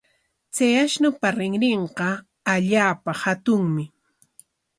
Chay ashnupa rinrinqa allaapa hatunmi.